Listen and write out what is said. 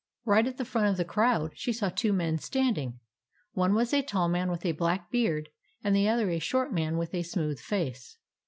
Right at the front of the crowd she saw two men standing. One was a tall man with a black beard, and the other a short man with a smooth face.